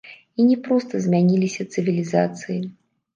І не проста змяняліся цывілізацыі.